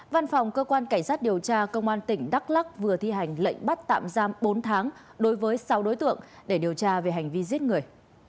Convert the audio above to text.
văn phòng cơ quan cảnh sát điều tra công an tỉnh đắk lắc vừa thi hành lệnh bắt tạm giam bốn tháng đối với sáu đối tượng để điều tra về hành vi giết người